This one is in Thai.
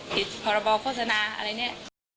ผิดภาระบอบโฆษณาอะไรแบบนี้